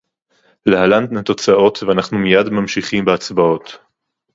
להלן התוצאות ואנחנו מייד ממשיכים בהצבעות